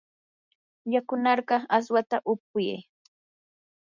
yakunarqaa aswata upyay.